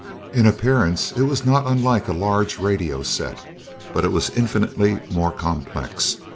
In appearance it was not unlike a large radio set, but it was infinitely more complex.